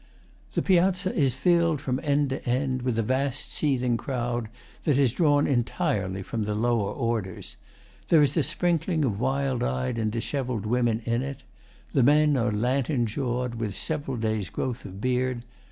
The Piazza is filled from end to end with a vast seething crowd that is drawn entirely from the lower orders. There is a sprinkling of wild eyed and dishevelled women in it. The men are lantern jawed, with several days' growth of beard.